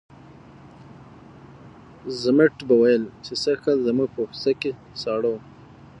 ضمټ به ویل چې سږکال زموږ په کوڅه کې ساړه وو.